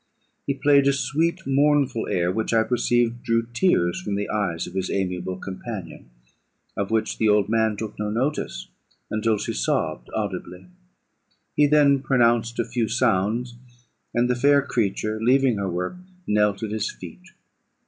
He played a sweet mournful air, which I perceived drew tears from the eyes of his amiable companion, of which the old man took no notice, until she sobbed audibly; he then pronounced a few sounds, and the fair creature, leaving her work, knelt at his feet.